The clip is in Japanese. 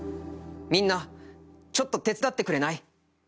「みんなちょっと手伝ってくれない？」